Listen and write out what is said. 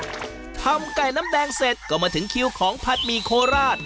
พอทำไก่น้ำแดงเสร็จก็มาถึงคิวของผัดหมี่โคราช